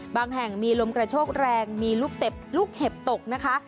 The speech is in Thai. บางแห่งมีลมกระโชคแรงมีลูกเต็บลูกเห็บตกนะคะ